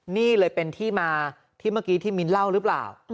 นี่เลยเป็นที่มาที่เมื่อกี้ที่มิ้นเล่าหรือเปล่า